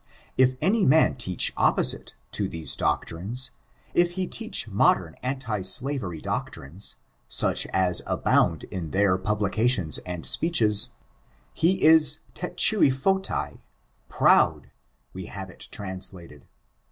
If any man teach opposite to these doctrines — if he teach modern anti« slavery doctrines, such as abound in their publications and speeches, he is tetuiphotai — proud we have it translated.